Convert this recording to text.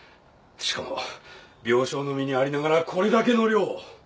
しかも病床の身にありながらこれだけの量を。